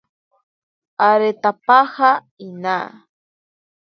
Aretapaja inaa.